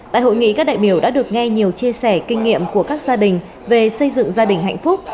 tại hội nghị các đại biểu đã được nghe nhiều chia sẻ kinh nghiệm của các gia đình về xây dựng gia đình hạnh phúc